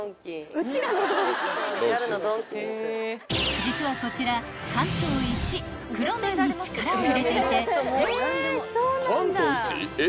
［実はこちら関東一袋麺に力を入れていて］